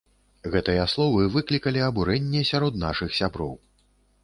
Гэтыя словы выклікалі абурэнне сярод нашых сяброў.